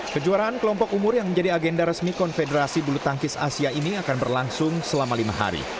kejuaraan kelompok umur yang menjadi agenda resmi konfederasi bulu tangkis asia ini akan berlangsung selama lima hari